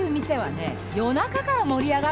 夜中から盛り上がるわけ。